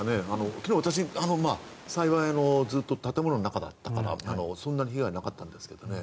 昨日私、幸いずっと建物の中だったからそんなに被害なかったんですが。